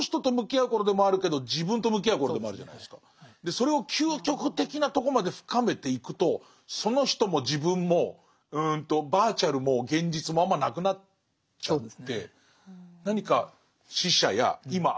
それを究極的なとこまで深めていくとその人も自分もバーチャルも現実もあんまなくなっちゃって何か死者や今会えない人と会ってる。